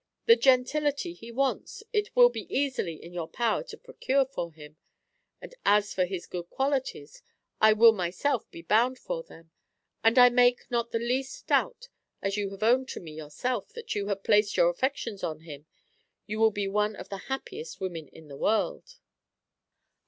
The gentility he wants, it will be easily in your power to procure for him; and as for his good qualities, I will myself be bound for them; and I make not the least doubt, as you have owned to me yourself that you have placed your affections on him, you will be one of the happiest women in the world."